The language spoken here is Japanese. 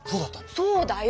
そうだよ！